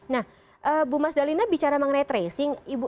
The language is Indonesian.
nah bu mas dalina bicara mengenai tracing